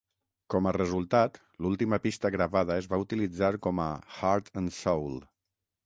Com a resultat, l'última pista gravada es va utilitzar com a "Heart and Soul".